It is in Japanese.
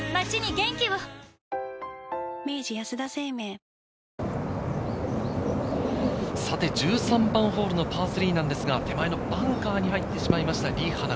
世界のカップヌードル１３番ホールのパー３なんですが、手前のバンカーに入ってしまいました、リ・ハナ。